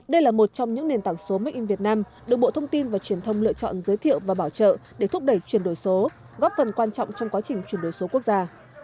đây là một trong những nền tảng số make in việt nam được bộ thông tin và truyền thông lựa chọn giới thiệu và bảo trợ để thúc đẩy chuyển đổi số góp phần quan trọng trong quá trình chuyển đổi số quốc gia